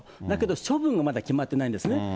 だけど処分はまだ決まってないんですね。